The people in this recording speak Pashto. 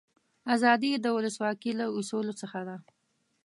آزادي د ولسواکي له اصولو څخه ده.